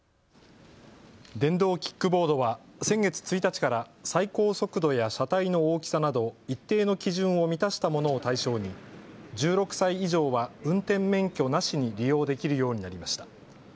電動キックボードは先月１日から最高速度や車体の大きさなど一定の基準を満たしたものを対象に１６歳以上は運転免許なしに利用できるようになりました。